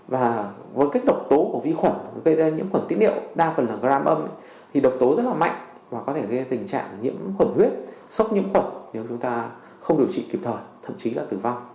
và với cách độc tố của vi khuẩn gây ra nhiễm khuẩn tiết niệu đa phần là gram âm thì độc tố rất là mạnh và có thể gây tình trạng nhiễm khuẩn huyết sốc nhiễm khuẩn nếu chúng ta không điều trị kịp thời thậm chí là tử vong